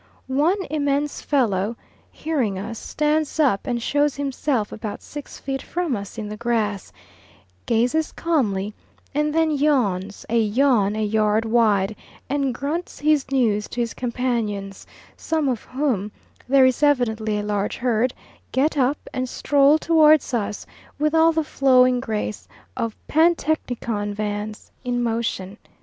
One immense fellow, hearing us, stands up and shows himself about six feet from us in the grass, gazes calmly, and then yawns a yawn a yard wide and grunts his news to his companions, some of whom there is evidently a large herd get up and stroll towards us with all the flowing grace of Pantechnicon vans in motion.